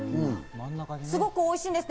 すごくおいしいんです。